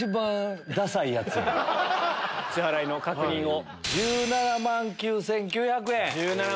支払いの確認を。